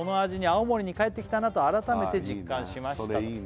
「青森に帰ってきたなと改めて実感しました」